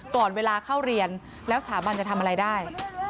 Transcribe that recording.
ก่อนเวลาเข้าเรียนแล้วสถาบันจะทำอะไรได้